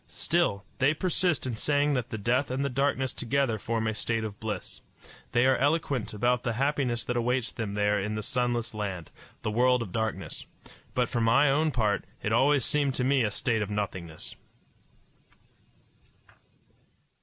Still, they persist in saying that the death and the darkness together form a state of bliss. They are eloquent about the happiness that awaits them there in the sunless land the world of darkness; but for my own part, it always seemed to me a state of nothingness.